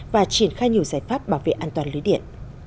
và triển khai nhiều giải pháp bảo vệ an toàn lưới điện